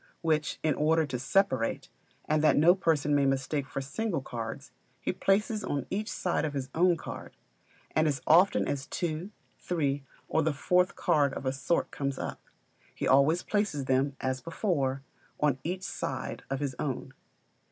which, in order to separate, and that no person may mistake for single cards, he places on each side of his own card; and as often as two, three, or the fourth card of a sort comes up, he always places them, as before, on each side of his own.